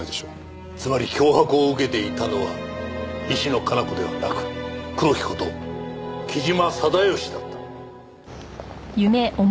つまり脅迫を受けていたのは石野香奈子ではなく黒木こと木島定良だった。